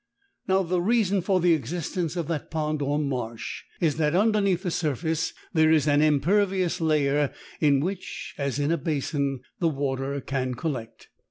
Now the reason for the existence of that pond or marsh is that underneath the surface there is an impervious layer in which, as in a basin, the water can collect.